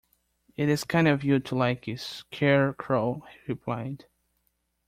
"It is kind of you to like a Scarecrow," he replied.